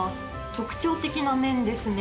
特徴的な麺ですね。